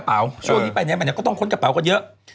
เช่านี้ไปเนี้ยมันก็ต้องเคล้งกระเป๋าก็เยอะ